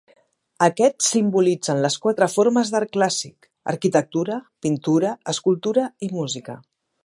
Aquests simbolitzen les quatre formes d'art clàssic: arquitectura, pintura, escultura i música.